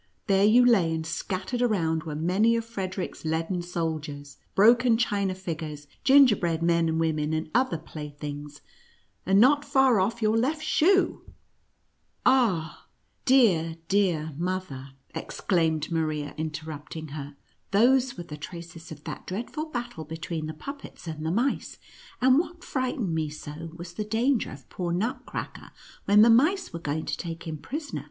There you lay, and scattered around, were many of Fred eric's leaden soldiers, broken China figures, gin gerbread men and women and other playthings, and not far off your left shoe." " Ah ! dear mother, dear mother," exclaimed 4 50 NUTCRACKER AND MOÜSE KING . Maria, interrupting her, "those were the traces of that dreadful battle between the puppets and the mice, and what frightened me so was the danger of poor Nutcracker, when the mice were going to take him prisoner.